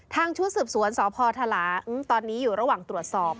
ชุดสืบสวนสพทหลางตอนนี้อยู่ระหว่างตรวจสอบ